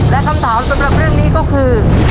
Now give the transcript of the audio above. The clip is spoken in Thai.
และคำถามสำหรับเรื่องนี้ก็คือ